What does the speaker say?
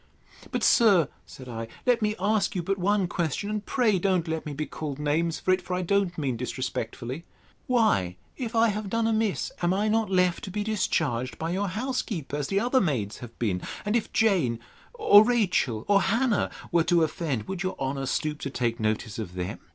But, sir, said I, let me ask you but one question, and pray don't let me be called names for it; for I don't mean disrespectfully: Why, if I have done amiss, am I not left to be discharged by your housekeeper, as the other maids have been? And if Jane, or Rachel, or Hannah, were to offend, would your honour stoop to take notice of them?